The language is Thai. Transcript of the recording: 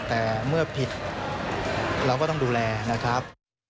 แต่เมื่อผิดเราก็ต้องดูแลนะครับ